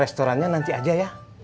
restorannya nanti aja ya